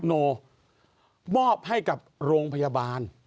โนมอบให้กับโรงพยาบาล